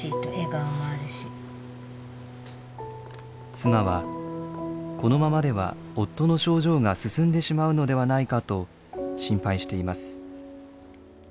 妻はこのままでは夫の症状が進んでしまうのではないかと心配しています。